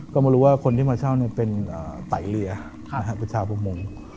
ก็มารู้ว่าคนที่มาเช่าเป็นไตเรือเป็นชาวประมง